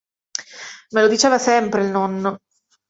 Me lo diceva sempre il nonno.